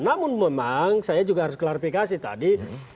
namun memang saya juga harus klarifikasi tadi